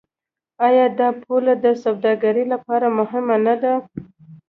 آیا دا پوله د سوداګرۍ لپاره مهمه نه ده؟